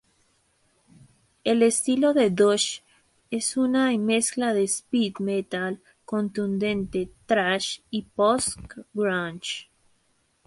El estilo de "Dust" es una mezcla de "speed metal" contundente, "thrash" y "post-grunge".